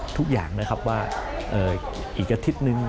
ทุกอย่างนะครับว่าอีกอาทิตย์นึง